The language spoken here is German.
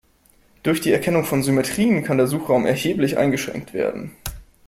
Durch die Erkennung von Symmetrien kann der Suchraum erheblich eingeschränkt werden.